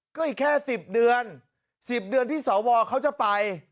ก็อีกแค่๑๐เดือน๑๐เดือนที่สวเขาจะไป